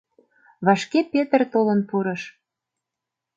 Вашке Петр толын пурыш.